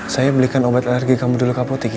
saya belikan obat alergi kamu dulu kak pratik ya